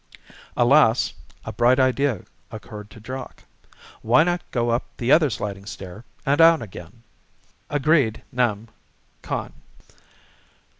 Alas, a bright idea occurred to Jock. Why not go up the other sliding stair and down again? Agreed, _nem. con.